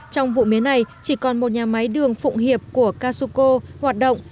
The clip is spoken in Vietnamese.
trong vụ mía này chỉ còn một nhà máy đường phụng hiệp của casuco hoạt động